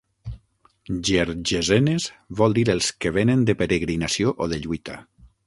"Gergesenes" vol dir "els que venen de peregrinació o de lluita".